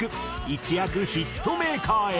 一躍ヒットメーカーへ。